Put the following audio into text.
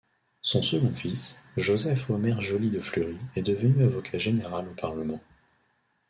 Son second fils, Joseph Omer Joly de Fleury, est devenu avocat général au parlement.